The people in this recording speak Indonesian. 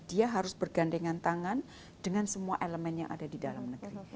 dia harus bergandengan tangan dengan semua elemen yang ada di dalam negeri